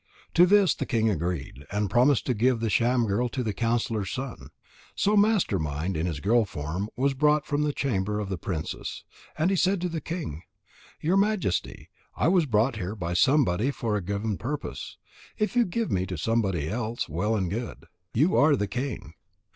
To this the king agreed, and promised to give the sham girl to the counsellor's son. So Master mind in his girl form was brought from the chamber of the princess, and he said to the king: "Your Majesty, I was brought here by somebody for a given purpose. If you give me to somebody else, well and good. You are the king.